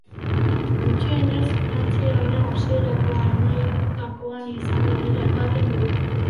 Gutxienez, frantziarra hasierako hamaikakoan izango dela ematen du.